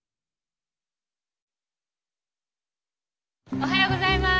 おはようございます。